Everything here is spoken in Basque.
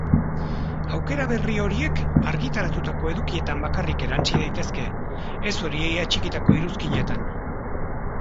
Aukera berri horiek argitaratutako edukietan bakarrik erantsi daitezke, ez horiei atxikitako iruzkinetan.